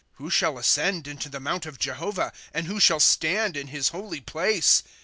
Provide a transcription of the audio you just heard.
^ Who shall ascend into the mount of Jehovah, And who shall stand in his holy place ?